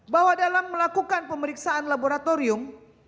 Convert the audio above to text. bahwa dalam melakukan pemeriksaan laboratorium